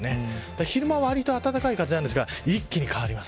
昼間、わりとあたたかい風ですが一気に変わります。